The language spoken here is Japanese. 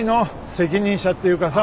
責任者っていうかさ。